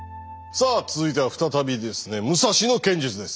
さあ続いては再びですね武蔵の剣術です。